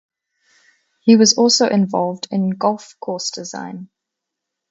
He was also involved in golf course design.